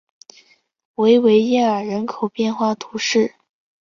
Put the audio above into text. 维维耶尔人口变化图示